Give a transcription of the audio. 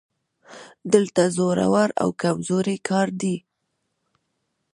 دلته زورور او کمزوری کار دی